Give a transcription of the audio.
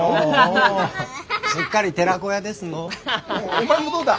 お前もどうだ？